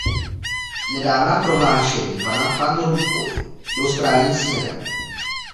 Nedávná prohlášení pana Van Rompuy jdou správným směrem.